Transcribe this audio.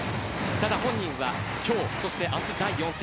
ただ本人は今日そして明日第４戦。